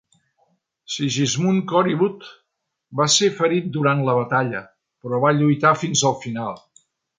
Sigismund Korybut va ser ferit durant la batalla, però va lluitar fins al final.